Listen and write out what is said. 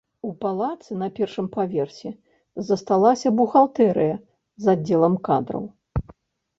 У палацы на першым паверсе засталася бухгалтэрыя з аддзелам кадраў.